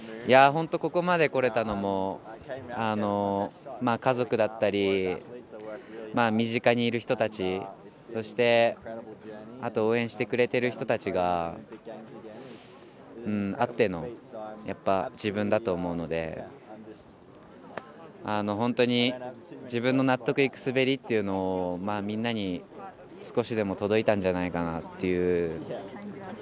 ここまで来れたのも家族だったり身近にいる人たち、そして応援してくれている人たちがあっての自分だと思うので本当に、自分の納得いく滑りというのがみんなに少しでも届いたんじゃないかなという。